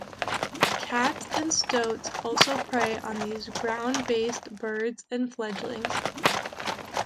Cats and stoats also prey on these ground-based birds and fledglings.